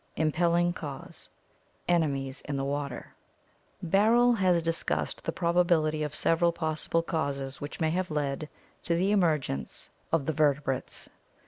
Impelling Cause Enemies in the Water. — Barrell has discussed the probability of several possible causes which may have led to the emergence of 477 478 ORGANIC EVOLUTION the vertebrates.